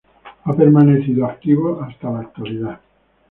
Ha permanecido activo hasta la actualidad.